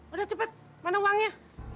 udah cepet mana uangnya